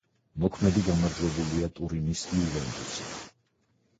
მოქმედი გამარჯვებულია ტურინის „იუვენტუსი“.